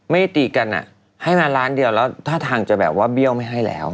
ไม่ตีกันให้มาล้านเดียวแล้วท่าทางจะแบบว่าเบี้ยวไม่ให้แล้ว